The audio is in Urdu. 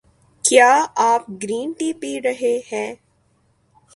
کیا آپ گرین ٹی پی رہے ہے؟